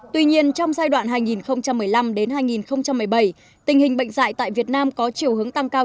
tuy nhiên trong giai đoạn hai nghìn một mươi năm hai nghìn một mươi bảy tình hình bệnh dạy tại việt nam có chiều hướng tăng cao